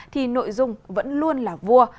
thì nội dung vẫn luôn là vua